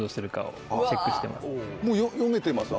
もう読めてます？